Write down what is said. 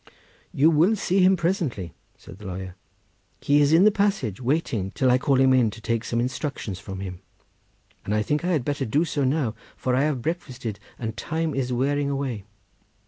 "You will see him presently," said the lawyer; "he is in the passage, waiting till I call him in to take some instructions from him; and I think I had better do so now, for I have breakfasted, and time is wearing away."